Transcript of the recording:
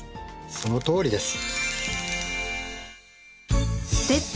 そのとおりです。